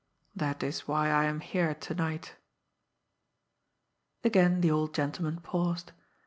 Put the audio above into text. That is why I am here to night." Again the old gentleman paused.